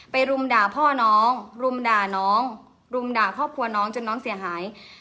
รุมด่าพ่อน้องรุมด่าน้องรุมด่าครอบครัวน้องจนน้องเสียหาย